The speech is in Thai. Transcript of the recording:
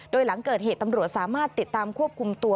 โดยหลังเกิดเหตุตำรวจสามารถติดตามควบคุมตัว